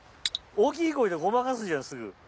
きい声でごまかすじゃんすぐ。